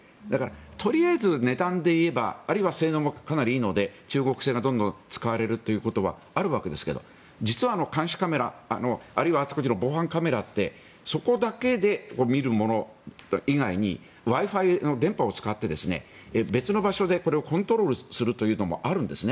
とりあえず値段で言えばあるいは性能もかなりいいので中国製がどんどん使われることはあるわけですけど実は監視カメラ、あるいはあちこちの防犯カメラってそこだけで見るもの以外にＷｉ−Ｆｉ、電波を使って別の場所でこれをコントロールするというのもあるんですね。